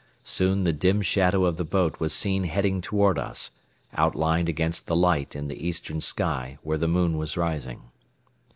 Soon the dim shadow of the boat was seen heading toward us, outlined against the light in the eastern sky where the moon was rising.